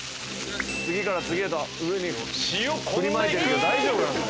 次から次へと上にふりまいてるけど大丈夫なの？